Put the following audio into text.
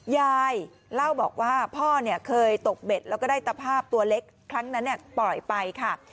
ยายเล่าบอกว่าพ่อเคยตกเบ็ดแล้วก็ได้ตภาพตัวเล็กครั้งนั้นปล่อยไปค่ะ